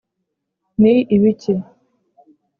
ni ibiki?”